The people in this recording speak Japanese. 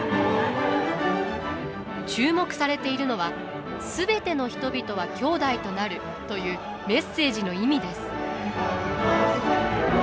注目されているのは「すべての人々は兄弟となる」というメッセージの意味です。